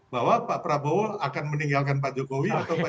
bahwa pak prabowo akan meninggalkan pak jokowi atau